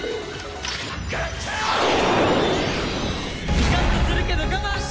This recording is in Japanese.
ぴかっとするけど我慢してね。